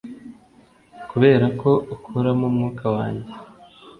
kuberako ukuramo umwuka wanjye.